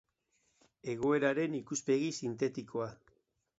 Egoeraren ikuspegi sintetikoa.